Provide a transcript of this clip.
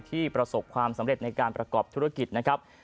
ประสบความสำเร็จในการประกอบธุรกิจนะครับ